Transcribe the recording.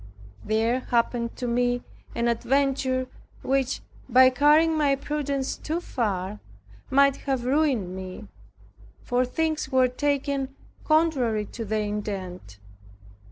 There happened to me an adventure which, by carrying my prudence too far, might have ruined me, for things were taken contrary to their intent.